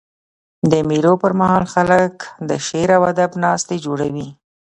د مېلو پر مهال خلک د شعر او ادب ناستي جوړوي.